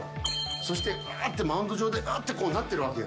そして、くーって、マウンド上で、うってなってるわけよ。